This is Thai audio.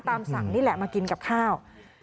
ตามสั่งนี่แหละมากินกับข้าว